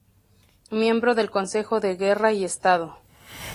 Miembro del Consejo de Guerra y Estado.